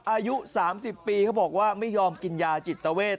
อายุ๓๐ปีเขาบอกว่าไม่ยอมกินยาจิตเวท